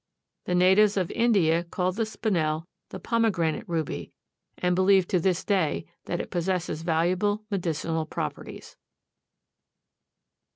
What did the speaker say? The natives of India call the Spinel the pomegranate ruby and believe to this day that it possesses valuable medicinal properties.